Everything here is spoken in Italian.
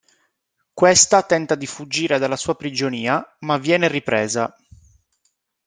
Questa tenta di fuggire dalla sua prigionia, ma viene ripresa.